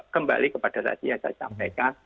kembali kepada tadi yang saya sampaikan